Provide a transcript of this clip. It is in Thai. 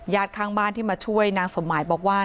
ข้างบ้านที่มาช่วยนางสมหมายบอกว่า